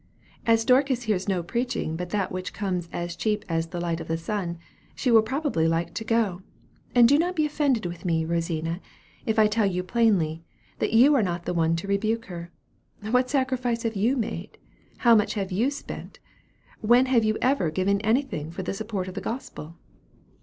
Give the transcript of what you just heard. As Dorcas hears no preaching but that which comes as cheap as the light of the sun, she will probably like to go; and do not be offended with me, Rosina, if I tell you plainly, that you are not the one to rebuke her. What sacrifice have you made? How much have you spent? When have you ever given anything for the support of the gospel?"